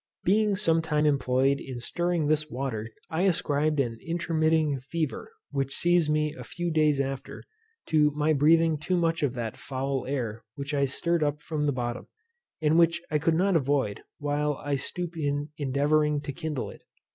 Being some time employed in stirring this water, I ascribed an intermitting fever, which seized me a few days after, to my breathing too much of that foul air which I stirred up from the bottom, and which I could not avoid while I stooped in endeavouring to kindle it.